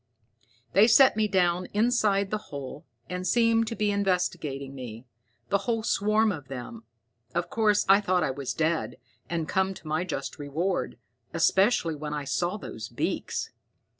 "They set me down inside the hole and seemed to be investigating me, the whole swarm of them. Of course, I thought I was dead, and come to my just reward, especially when I saw those beaks.